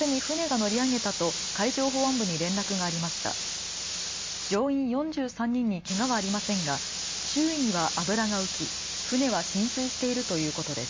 乗員４３人にけがはありませんが周囲には油が浮き、船は浸水しているということです。